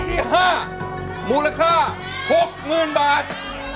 เคลสที่ห้ามูลค่าหกหนึ่งบาท